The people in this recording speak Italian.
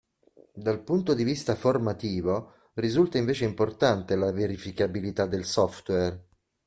Dal punto di vista "formativo" risulta invece importante la verificabilità del software.